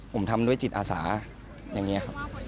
ผมทำด้วยจิตอาสาอย่างนี้ครับ